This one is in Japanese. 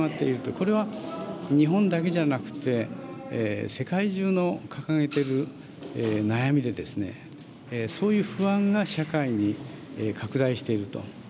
これは日本だけじゃなくて、世界中の掲げている悩みでですね、そういう不安が社会に拡大していると。